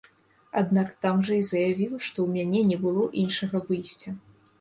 Аднак там жа і заявіў, што ў мяне не было іншага выйсця.